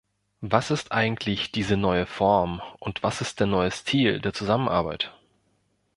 Was ist eigentlich diese neue Form, und was ist der neue Stil der Zusammenarbeit?